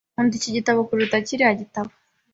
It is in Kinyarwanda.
Nkunda iki gitabo kuruta kiriya gitabo.